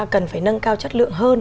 cần phải nâng cao chất lượng hơn